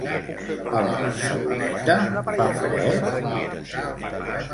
A la Barceloneta, fa fred?